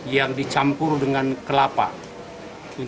yang dicampur dengan kelabaran